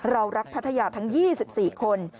เรารักพัทยาทั้ง๒๔คน